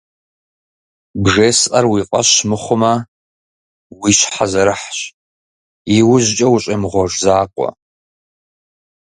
БжесӀэр уи фӀэщ мыхъумэ, уи щхьэ зэрыхьщ, иужькӀэ ущӀемыгъуэж закъуэ.